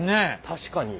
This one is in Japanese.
確かに。